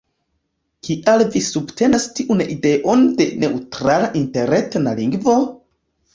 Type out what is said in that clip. Kial vi subtenas tiun ideon de neŭtrala interetna lingvo?